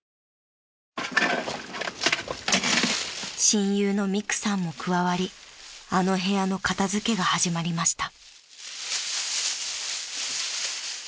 ［親友のみくさんも加わりあの部屋の片付けが始まりました］